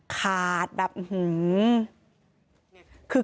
ขาดแบบอื้อหือ